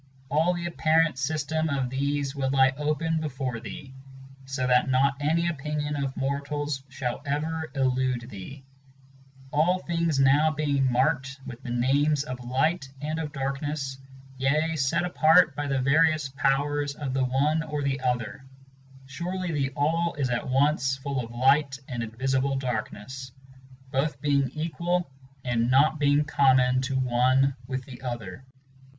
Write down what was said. All the apparent system of these will I open before thee, So that not any opinion of mortals shall ever elude thee. ###* All things now being marked with the names of light and of darkness, Yea, set apart by the various powers of the one or the other, Surely the All is at once full of light and invisible darkness, Both being equal, and naught being common to one with the other.